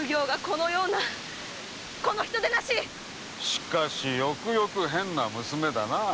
しかしよくよく変な娘だなあ。